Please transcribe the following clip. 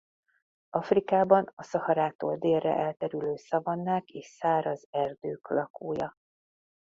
Afrikában a Szaharától délre elterülő szavannák és száraz erdők lakója.